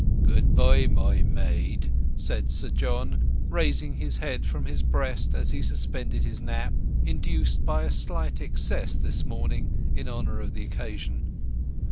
"Goodbye, my maid," said Sir John, raising his head from his breast as he suspended his nap, induced by a slight excess this morning in honour of the occasion.